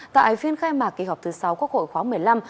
tại phiên khai mạc kỳ họp thứ sáu quốc hội khoáng một mươi năm